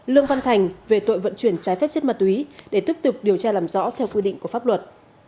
lương văn thành về tội vận chuyển trái phép chất ma túy để tiếp tục điều tra làm rõ theo quy định của pháp luật